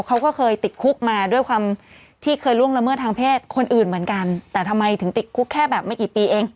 เขาก็เคยติดคุกมาด้วยความที่เคยล่วงละเมิดทางเพศคนอื่นเหมือนกันแต่ทำไมถึงติดคุกแค่แบบไม่กี่ปีเอง